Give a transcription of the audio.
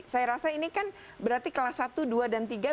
saya rasa ini kan berarti kelas satu dua dan tiga